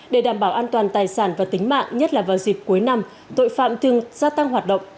để đảm bảo an toàn tài sản và tính mạng nhất là vào dịp cuối năm tội phạm thường gia tăng hoạt động